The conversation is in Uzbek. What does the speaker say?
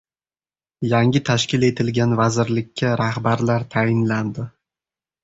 Yangi tashkil etilgan vazirlikka rahbarlar tayinlandi